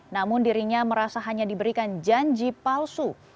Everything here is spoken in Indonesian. namun dirinya merasa hanya diberikan janji palsu